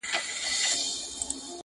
نسته څوک د رنځ طبیب نه د چا د زړه حبیب-